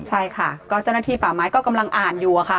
ใช่ค่ะก็เจ้าหน้าที่ป่าไม้ก็กำลังอ่านอยู่อะค่ะ